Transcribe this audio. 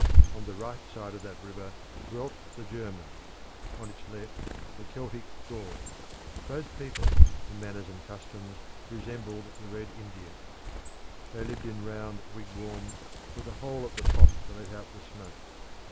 On the right side of that river dwelt the Germans; on its left, the Celtic Gauls. Both people, in manners and customs, resembled the Red Indians. They lived in round wigwams, with a hole at the top to let out the smoke.